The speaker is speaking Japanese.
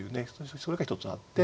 それが一つあって。